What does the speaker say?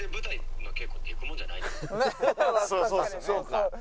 そうか。